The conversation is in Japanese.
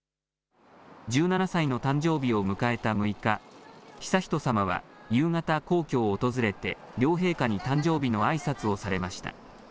１７歳の誕生日を迎えた６日悠仁さまは夕方、皇居を訪れて両陛下に誕生日のあいさつをされました。